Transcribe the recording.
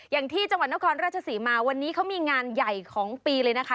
อย่างที่จังหวัดนครราชศรีมาวันนี้เขามีงานใหญ่ของปีเลยนะคะ